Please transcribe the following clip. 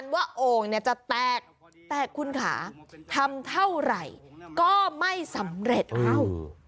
ว่าโอ่งเนี่ยจะแตกแต่คุณขาทำเท่าไหร่ก็ไม่สำเร็จอ้าว